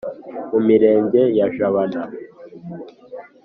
mu mirenge ya jabana.